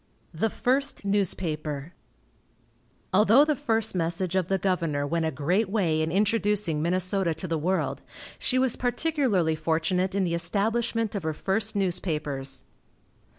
THE FIRST NEWSPAPER. Although the first message of the governor went a great way in introducing Minnesota to the world, she was particularly fortunate in the establishment of her first newspapers.